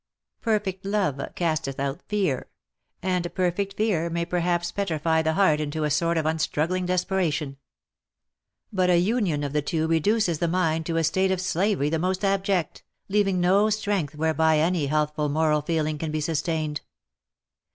" Perfect love castetfi out fear," and perfect fear may perhaps petrify the heart into a sort of unstruggling desperation ; but a union of the two reduces the mind to a state of slavery the most abject, leaving no strength whereby any healthful moral feeling can be sustained.